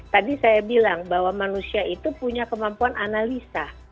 tadi saya bilang bahwa manusia itu punya kemampuan analisa